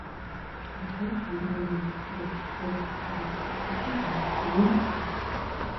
აქვე, ცენტრალური ნაწილის ჩრდილო-დასავლეთ კუთხეში, გამართულია კარი.